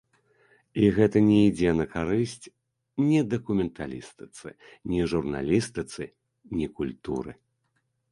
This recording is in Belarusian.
І гэта не ідзе на карысць ні дакументалістыцы, ні журналістыцы, ні культуры.